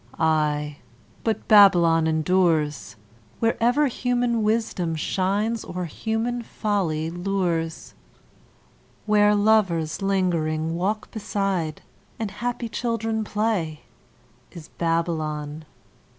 Aye; but Babylon endures Wherever human wisdom shines or human folly lures; Where lovers lingering walk beside, and happy children play, Is Babylon!